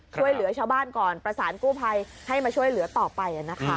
ช่วยเหลือชาวบ้านก่อนประสานกู้ภัยให้มาช่วยเหลือต่อไปนะคะ